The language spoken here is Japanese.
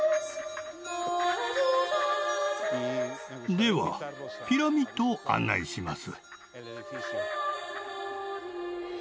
ではピラミッドを案内します。